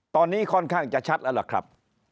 ตอนนี้ค่อนข้างจะชัดแล้วล่ะครับ